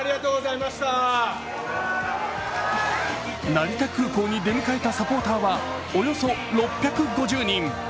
成田空港に出迎えたサポーターはおよそ６５０人。